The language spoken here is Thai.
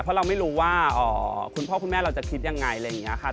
เพราะเราไม่รู้ว่าคุณพ่อคุณแม่เราจะคิดยังไงอะไรอย่างนี้ค่ะ